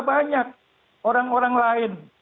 banyak orang orang lain